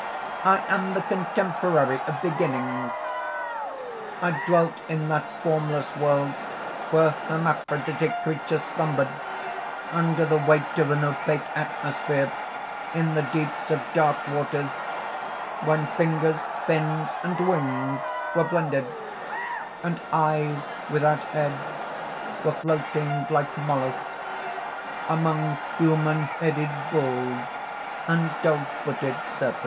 I am the contemporary of beginnings. "I dwelt in that formless world where hermaphroditic creatures slumbered, under the weight of an opaque atmosphere, in the deeps of dark waters when fingers, fins, and wings were blended, and eyes without heads were floating like mollusks, among human headed bulls, and dog footed serpents.